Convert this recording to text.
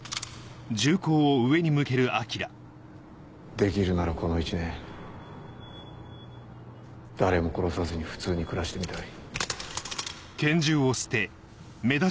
できるならこの１年誰も殺さずに普通に暮らしてみたい。